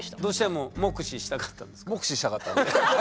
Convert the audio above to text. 目視したかったんで。